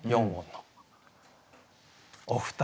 お二人。